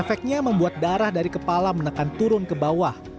efeknya membuat darah dari kepala menekan turun ke bawah